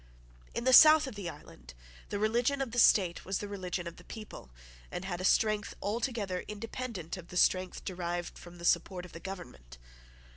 In the south of the island the religion of the state was the religion of the people, and had a strength altogether independent of the strength derived from the support of the government.